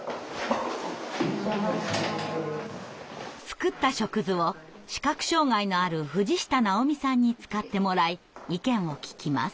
作った触図を視覚障害のある藤下直美さんに使ってもらい意見を聞きます。